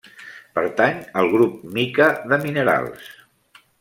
Pertany al grup mica de minerals.